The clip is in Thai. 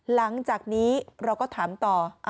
หลังจากนี้เราก็ถามต่อ